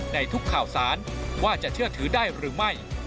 ในทุกข่าวสารว่าจะเชื่อถือได้หรือไม่